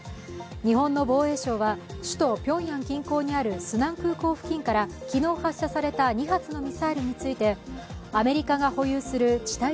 日本の防衛省は、首都ピョンヤン近郊にあるスナン空港付近から昨日発射された２発のミサイルについてアメリカが保有する地